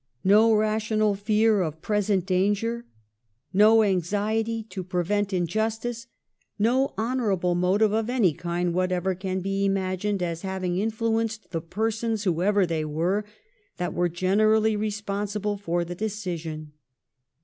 JSTo rational fear of present danger, no anxiety to prevent injustice, no honourable motive of any kind whatever can be imagined as having influenced the persons whoever they were that were generally responsible for the decision.